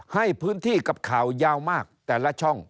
ให้พื้นที่กับข่าวยาวมากแต่ละช่อง